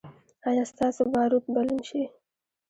ایا ستاسو باروت به لوند شي؟